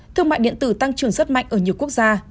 thương mại điện tử tăng trưởng rất mạnh ở nhiều quốc gia